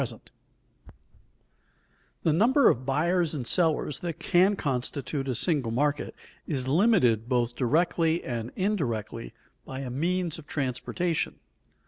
[Sidenote: The growth of markets] The number of buyers and sellers that can constitute a single market is limited both directly and indirectly by the means of transportation.